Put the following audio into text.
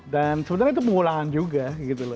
dan sebenarnya itu pengulangan juga gitu loh